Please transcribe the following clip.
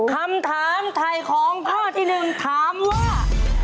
คำถามถ่ายของข้อที่หนึ่งถามว่า